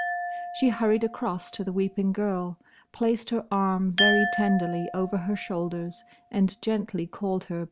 She hurried across to the weeping girl, placed her arm very tenderly over her shoulders and gently called her by her name.